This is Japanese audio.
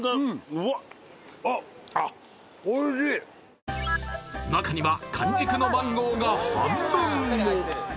うんあっ中には完熟のマンゴーが半分も！